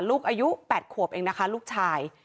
ลูกอายุ๘ขวบเองนะคะลูกชาย